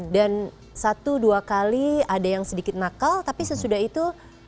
dan satu dua kali ada yang sedikit nakal tapi sesudah itu